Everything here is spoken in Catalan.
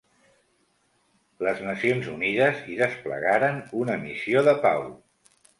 Les Nacions Unides hi desplegaren una missió de pau.